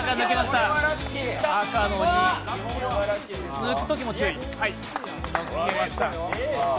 抜くときも注意。